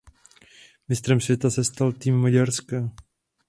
Mistrem světa se stal tým Maďarska.